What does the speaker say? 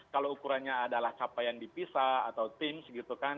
kalau ukurannya adalah capaian dipisah atau tims gitu kan